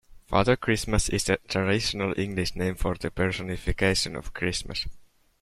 Father Christmas is the traditional English name for the personification of Christmas